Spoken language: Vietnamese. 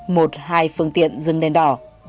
một hai phương tiện dưng lên đỏ